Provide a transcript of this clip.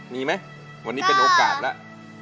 มีไหมวันนี้เป็นโอกาสแล้ว